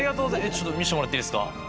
ちょっと見せてもらっていいですか？